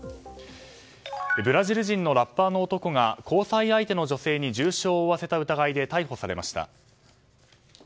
ブラジル人のラッパーの男が交際相手の女性に重傷を負わせた疑いで逮捕されました。